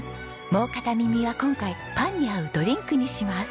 もう片耳は今回パンに合うドリンクにします。